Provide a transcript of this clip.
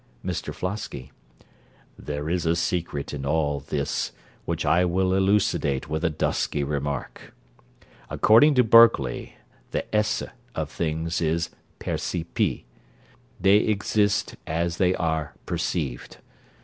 MR FLOSKY There is a secret in all this, which I will elucidate with a dusky remark. According to Berkeley, the esse of things is percipi. They exist as they are perceived.